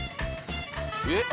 えっ？